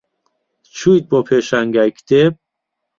چوویت بۆ پێشانگای کتێب؟